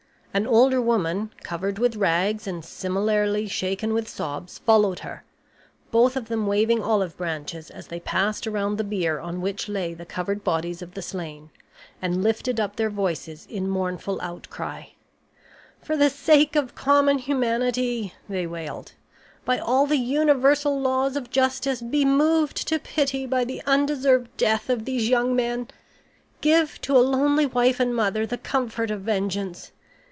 An older woman, covered with rags and similarly shaken with sobs, followed her, both of them waving olive branches as they passed around the bier on which lay the covered bodies of the slain, and lifted up their voices in mournful outcry: "For the sake of common humanity," they wailed, "by all the universal laws of justice, be moved to pity by the undeserved death of these young men! Give to a lonely wife and mother the comfort of vengeance!